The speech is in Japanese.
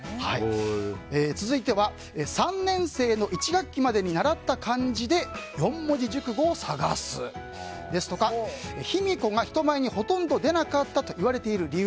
続いては、３年生の１学期までに習った漢字で４文字熟語を探すですとか卑弥呼が人前にほとんど出なかったといわれている理由